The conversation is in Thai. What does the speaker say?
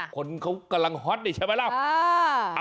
คนเขากำลังฮอตนี่ใช่ไหมล่ะ